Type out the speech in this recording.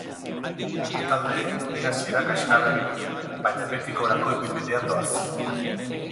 Bi taldeek liga hasiera kaskarra egin dute, baina behetik gorako ibilbidean doaz.